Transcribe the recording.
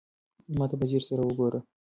ما ته په ځير سره وگوره.